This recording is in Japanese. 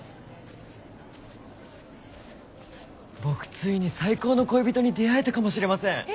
僕ついに最高の恋人に出会えたかもしれません。